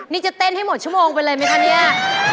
นี่จะเต้นให้หมดชั่วโมงไปเลยไหมคะเนี่ย